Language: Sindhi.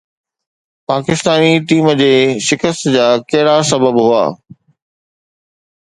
پاڪستاني ٽيم جي شڪست جا ڪهڙا سبب هئا؟